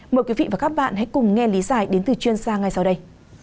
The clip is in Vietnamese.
mời quý vị và các bạn hãy cùng nghe lý giải đến từ chuyên gia ngay sau đây